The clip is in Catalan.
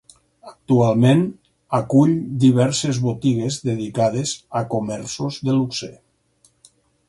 Actualment, acull diverses botigues dedicades a comerços de luxe.